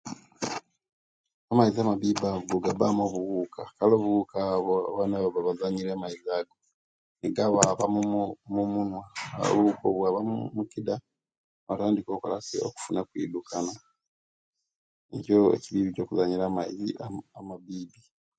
Amaizi amabibi ago gabamu owuuka, kale owuuka obwo abaana obabba bazanyira omumaizi ago, nigabaaba mumu omumunwa buuka nibwaba omukida, nibatandiika okolaki, okufuna okwidukana, nico ekibibi eco kuzanyira omumaizi amabiibi.